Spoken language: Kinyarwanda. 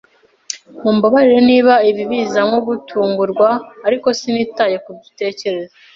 Mumbabarire niba ibi biza nko gutungurwa, ariko sinitaye kubyo utekereza.